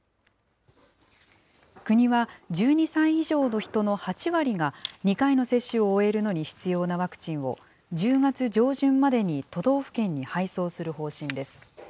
国は１２歳以上の人の８割が、２回の接種を終えるのに必要なワクチンを、１０月上旬までに都道府県に配送する方針です。